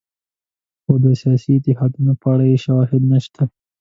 خو د سیاسي اتحادونو په اړه شواهد نشته.